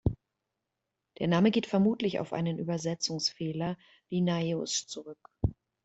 Der Name geht vermutlich auf einen Übersetzungsfehler Linnaeus' zurück.